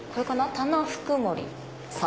「タナフクモリ」。